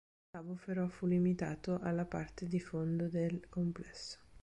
Lo scavo però fu limitato alla parte di fondo del complesso.